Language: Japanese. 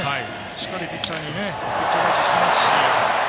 しっかりピッチャー返ししてますし。